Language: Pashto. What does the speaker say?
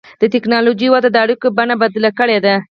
د ټکنالوجۍ وده د اړیکو بڼه بدله کړې ده.